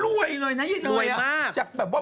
รวยเลยนะเยี่ยมในเนยน้อยอา